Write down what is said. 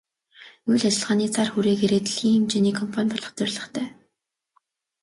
Үйл ажиллагааны цар хүрээгээрээ дэлхийн хэмжээний компани болох зорилготой.